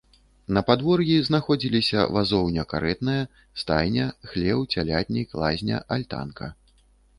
На падвор'і знаходзіліся вазоўня-карэтная, стайня, хлеў, цялятнік, лазня, альтанка.